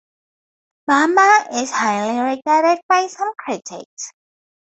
"Bomber" is highly regarded by some critics.